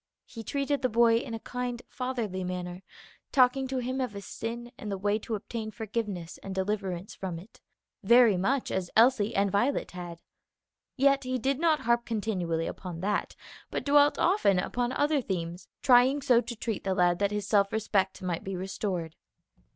He treated the boy in a kind, fatherly manner, talking to him of his sin and the way to obtain forgiveness and deliverance from it, very much as Elsie and Violet had. Yet he did not harp continually upon that, but dwelt often upon other themes, trying so to treat the lad that his self respect might be restored.